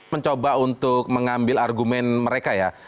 mencoba untuk mengambil argumen mereka ya